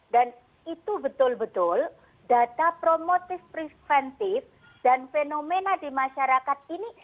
dan itu betul betul data promotif preventif dan fenomena di masyarakat ini